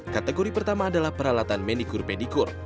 kategori pertama adalah peralatan menikur pedikur